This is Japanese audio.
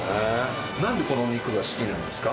なんでこのお肉が好きなんですか？